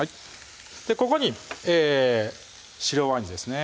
ここに白ワイン酢ですね